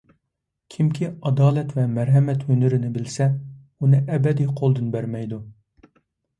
كىمكى ئادالەت ۋە مەرھەمەت ھۈنىرىنى بىلسە، ئۇنى ئەبەدىي قولىدىن بەرمەيدۇ.